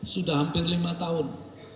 sudah hampir lima tahun